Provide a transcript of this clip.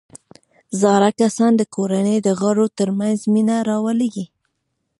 زاړه کسان د کورنۍ د غړو ترمنځ مینه راولي